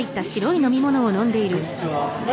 こんにちは。